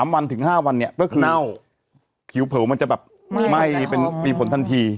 ๓วันถึง๕วันเนี่ยก็คือเน่าผิวเผลอมันจะแบบไหม้มีผลทันที